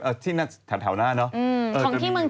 อ้าวที่เมืองจีนก็เป็นอย่างงั้นคือเขากดอย่างงั้น